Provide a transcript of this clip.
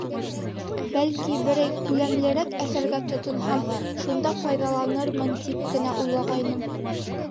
Бәлки, берәй күләмлерәк әҫәргә тотонһам, шунда файҙаланырмын, тип кенә уйлағайным.